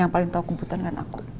yang paling tahu kumputan kan aku